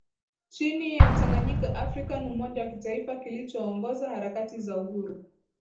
chini ya Tanganyika African umoja wa kitaifa kilichoongoza harakati za uhuru